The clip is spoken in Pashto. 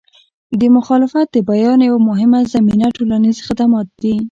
د مخالفت د بیان یوه مهمه زمینه ټولنیز خدمات دي.